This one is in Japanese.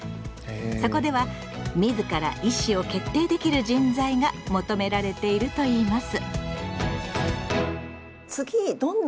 そこでは「自ら意思を決定できる人材」が求められているといいます。